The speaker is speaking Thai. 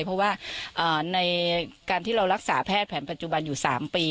เพราะว่าในการที่เรารักษาแพทย์แผนปัจจุบันอยู่๓ปี